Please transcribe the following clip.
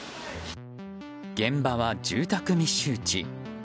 現場は住宅密集地。